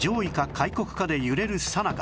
開国かで揺れるさなか